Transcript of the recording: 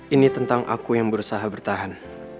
ini tentang aku yang berusaha bertahan